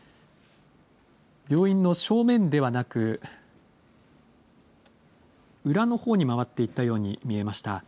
病院の正面ではなく、裏のほうに回っていったように見えました。